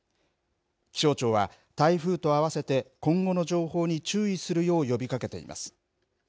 気象庁は、台風と併せて今後の情報に注意するよう呼びかけています。